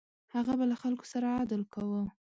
هغه به له خلکو سره عدل کاوه.